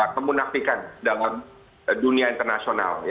pemunafikan dalam dunia internasional